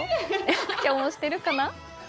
今日もしているかな？